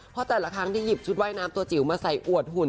เพราะแต่ละครั้งที่หยิบชุดว่ายน้ำตัวจิ๋วมาใส่อวดหุ่น